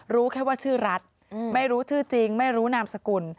รู้แค่ว่าชื่อรัฐไม่รู้ชื่อจริงไม่รู้นามสกุล